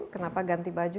kenapa ganti baju